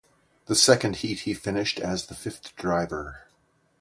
The second heat he finished as the fifth driver.